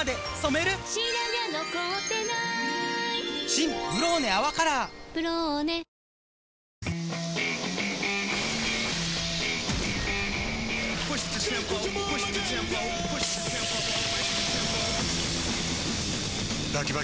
新「ブローネ泡カラー」「ブローネ」プシューッ！